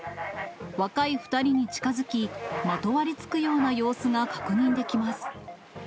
若い２人に近づき、まとわりつくような様子が確認できます。